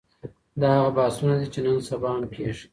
دا هغه بحثونه دي چي نن سبا هم کېږي.